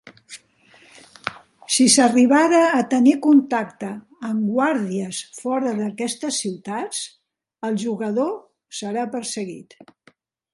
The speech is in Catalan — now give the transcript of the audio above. Si s'arribara a tenir contacte amb guàrdies fora d'aquestes ciutats, el jugador serà perseguit.